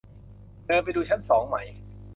เดินไปดูชั้นสองไหม